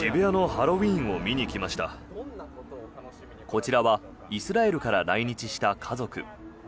こちらはイスラエルから来日した家族。